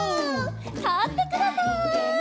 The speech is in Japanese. たってください。